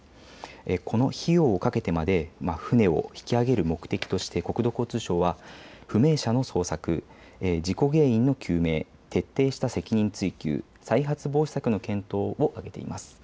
この費用をかけて船を引き揚げる目的として国土交通省は不明者の捜索、事故原因の究明、徹底した責任追及、再発防止策の検討を挙げています。